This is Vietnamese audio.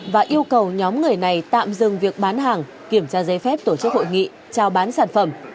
và yêu cầu nhóm người này tạm dừng việc bán hàng kiểm tra giấy phép tổ chức hội nghị trao bán sản phẩm